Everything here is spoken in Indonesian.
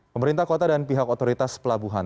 pemerintah kota dan pihak otoritas pelabuhan